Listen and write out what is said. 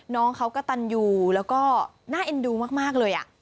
น้องเขากระตันอยู่แล้วก็น่าเอ็นดูมากเลย